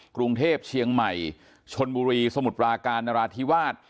กรุงเทพเชียงใหม่ชนบุรีสมุทรปราการนราธิวาส